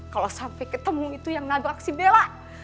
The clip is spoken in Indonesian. kalau sampai ketemu itu yang nagraksi bella